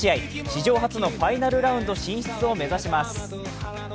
史上初のファイナルラウンド進出を目指します。